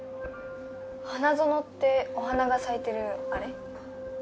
花園ってお花が咲いてるあれ？